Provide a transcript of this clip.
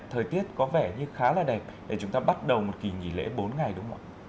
thời tiết có vẻ như khá là đẹp để chúng ta bắt đầu một kỳ nghỉ lễ bốn ngày đúng không ạ